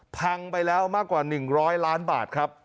พังไปแล้วมากกว่า๑๐๐ล้านบาทครับ